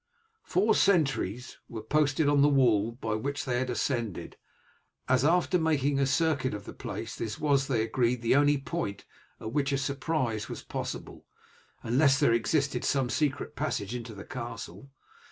Four sentries were posted on the wall by which they had ascended, as after making a circuit of the place, this was they agreed the only point at which a surprise was possible, unless there existed some secret passage into the castle.